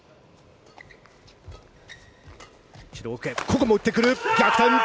ここも打ってくる！